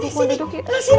ibu mau duduk